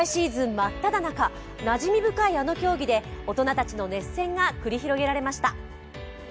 真っただ中、なじみ深いあの競技で大人たちの熱戦が繰り広げられました。